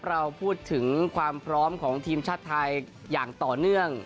เราพูดถึงความพร้อมของทีมชาติไทยอย่างต่อเนื่อง